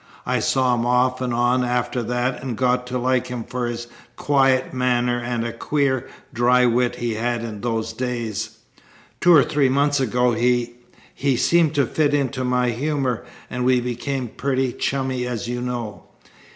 I saw him off and on after that and got to like him for his quiet manner and a queer, dry wit he had in those days. Two or three months ago he he seemed to fit into my humour, and we became pretty chummy as you know.